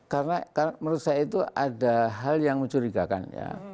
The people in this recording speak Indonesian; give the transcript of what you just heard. karena menurut saya itu ada hal yang mencurigakan